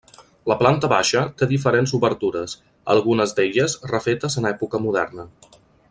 La planta baixa té diferents obertures, algunes d'elles refetes en època moderna.